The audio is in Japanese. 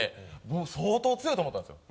もう相当強いと思ったんですよ。